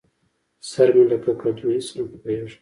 سر مې لکه کدو؛ هېڅ نه پوهېږم.